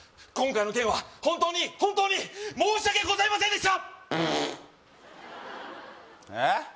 今回の件は本当に本当に申し訳ございませんでした！